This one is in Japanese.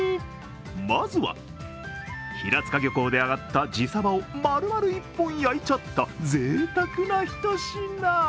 まずは、平塚漁港であがった地サバをまるまる１本焼いちゃったぜいたくなひと品。